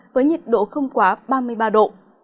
với nhiệt độ không quá ba mươi ba độ